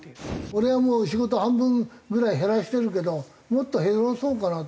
俺はもう仕事半分ぐらい減らしてるけどもっと減らそうかなと。